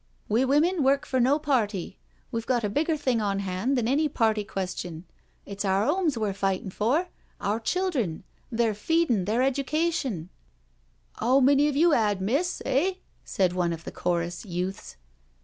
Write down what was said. We women work for.no party, we've got a bigger thing on hand than any party question. It's our homes we're fighting for — our children — their feedin*, their education "" 'Ow many 'ave you 'ad, miss, eh?" said one of the chorus youths.